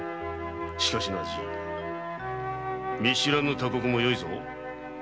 しかしな見知らぬ他国もよいぞ。